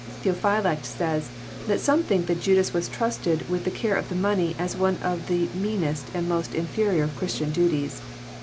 Theophylact says, that some think that Judas was trusted with the care of the money as one of the meanest and most in ferior of Christian duties.